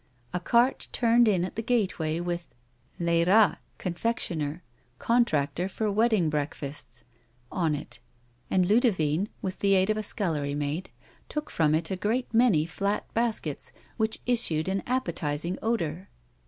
A cart turned in at the gateway with " L^rat, confectioner. Contractor for Wedding breakfasts" on it, and Ludivine, with the aid of a scullerj^ maid^ took from it a great many flat baskets from which issued an appetising odour.